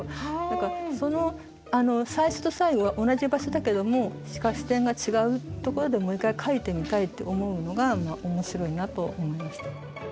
何か最初と最後は同じ場所だけども視点が違うところでもう一回描いてみたいって思うのが面白いなと思いました。